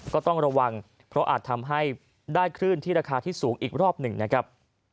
ก็ต้องระวังเพราะอาจทำให้ได้คลื่นที่ราคาที่สูงอีกรอบหนึ่งนะครับ